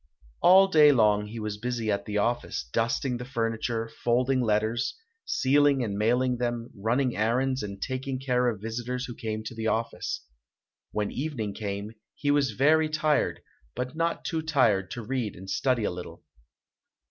All day long he was busy at the office, dusting the furniture, folding letters, sealing and mailing them, running errands and taking care of visitors who came to the office. When evening came, he was very tired, but not too tired to read and study a little.